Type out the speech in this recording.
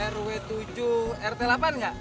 rw tujuh rt delapan nggak